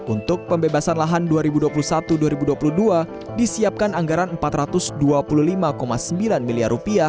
untuk pembebasan lahan dua ribu dua puluh satu dua ribu dua puluh dua disiapkan anggaran rp empat ratus dua puluh lima sembilan miliar